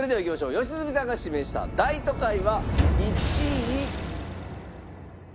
良純さんが指名した『大都会』は１位。